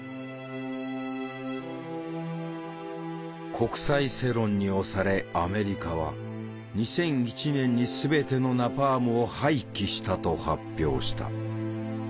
国際世論に押されアメリカは「２００１年に全てのナパームを廃棄した」と発表した。